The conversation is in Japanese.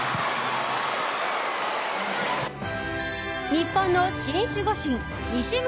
日本のシン・守護神西村